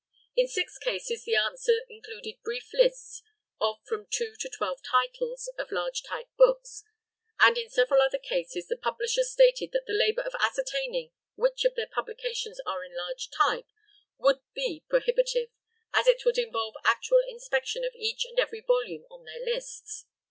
In six cases, the answer included brief lists of from two to twelve titles of large type books; and in several other cases, the publishers stated that the labor of ascertaining which of their publications are in large type would be prohibitive, as it would involve actual inspection of each and every volume on their lists.